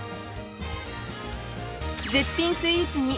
絶品スイーツに舌鼓